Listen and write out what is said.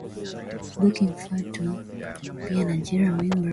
Alipata ajali na yuko hospitalini